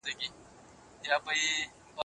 د استاد نیمګړتیاوې باید پټې پاتې نسی.